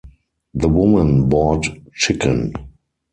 The woman bought chicken.